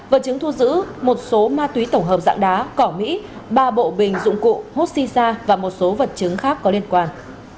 vật chứng thu giữ một số ma túy tổng hợp dạng đá cỏ mỹ ba bộ bình dụng cụ hốt si sa và một số vật chứng khác có liên quan